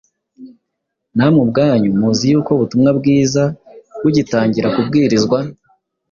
namwe ubwanyu muzi yuko ubutumwa bwiza bugitangira kubwirizwa,